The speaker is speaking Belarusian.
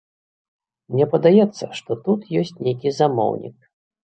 Мне падаецца, што тут ёсць нейкі замоўнік.